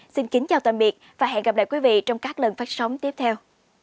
xin kính chào tạm biệt và hẹn gặp lại quý vị trong các lần phát sóng tiếp theo